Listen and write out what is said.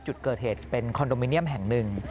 จุดเกิดเหตุเป็นคอนโดมิเนียมแห่งหนึ่ง